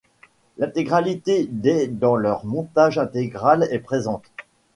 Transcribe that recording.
L'intégralité des dans leur montage intégral est présente.